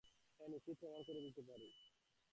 হ্যাঁ, নিশ্চিত প্রমাণ করে দিতে পারি।